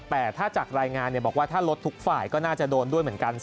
แต่ถ้าจากรายงานบอกว่าถ้าลดทุกฝ่ายก็น่าจะโดนด้วยเหมือนกัน